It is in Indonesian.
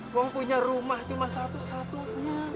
gue punya rumah cuma satu satunya